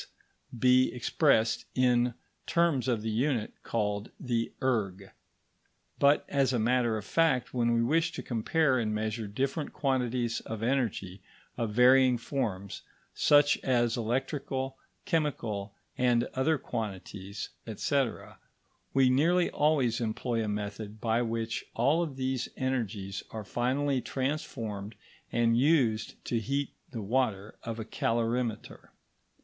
be expressed in terms of the unit called the erg; but, as a matter of fact, when we wish to compare and measure different quantities of energy of varying forms, such as electrical, chemical, and other quantities, etc., we nearly always employ a method by which all these energies are finally transformed and used to heat the water of a calorimeter.